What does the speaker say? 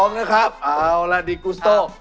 เอานะครับเอาล่ะดิกูสโต้